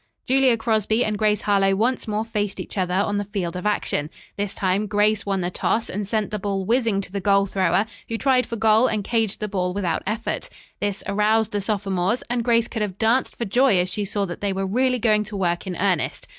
Julia Crosby and Grace Harlowe once more faced each other on the field of action. This time Grace won the toss and sent the ball whizzing to the goal thrower, who tried for goal and caged the ball without effort. This aroused the sophomores, and Grace could have danced for joy as she saw that they were really going to work in earnest.